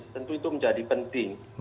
tentu itu menjadi penting